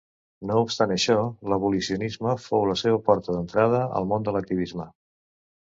No obstant això, l'abolicionisme fou la seva porta d'entrada al món de l'activisme.